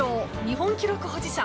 日本記録保持者